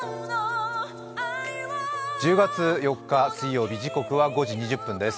１０月４日水曜日、時刻は５時２０分です。